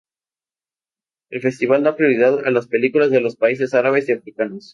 El festival da prioridad a las películas de los países árabes y africanos.